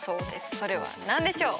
それは何でしょう？